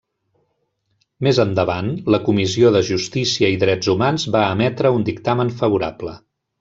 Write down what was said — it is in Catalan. Més endavant, la Comissió de Justícia i Drets Humans va emetre un dictamen favorable.